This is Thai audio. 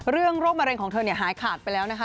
โรคมะเร็งของเธอหายขาดไปแล้วนะคะ